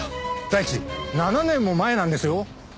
第一７年も前なんですよ。